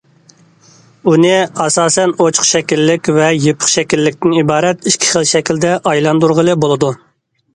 ئۇنى، ئاساسەن، ئوچۇق شەكىللىك ۋە يېپىق شەكىللىكتىن ئىبارەت ئىككى خىل شەكىلدە ئايلاندۇرغىلى بولىدۇ.